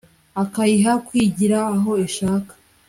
akayiha kwigira aho ishaka